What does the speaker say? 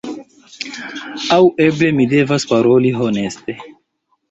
Aŭ eble mi devas paroli honeste: